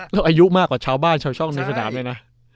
แล้วอายุมากกว่าชาวบ้านชาวช่องในสนามเลยนะ